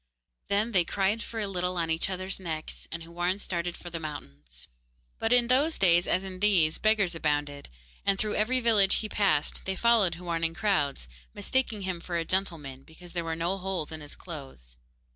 Then they cried for a little on each other's necks, and Houarn started for the mountains. But in those days, as in these, beggars abounded, and through every village he passed they followed Houarn in crowds, mistaking him for a gentleman, because there were no holes in his clothes.